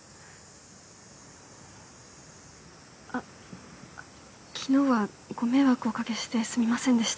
あ昨日はご迷惑をおかけしてすみませんでした。